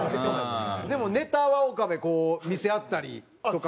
でもネタは岡部こう見せ合ったりとか。